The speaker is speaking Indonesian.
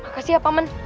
makasih ya paman